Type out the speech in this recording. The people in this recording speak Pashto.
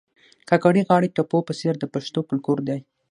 کاکړۍ غاړي ټپو په څېر د پښتو فولکور دي